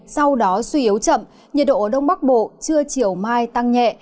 sau đó suy yếu chậm nhiệt độ ở đông bắc bộ trưa chiều mai tăng nhẹ